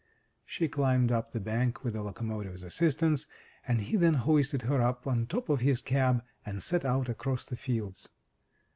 She climbed up the bank with the locomotive's assistance, and he then hoisted her up on top of his cab, and set out across the fields.